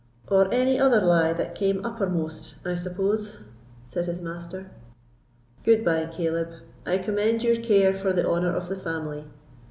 "Or any other lie that came uppermost, I suppose?" said his master. "Good bye, Caleb; I commend your care for the honour of the family."